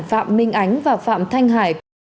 phạm minh ánh và phạm thanh hải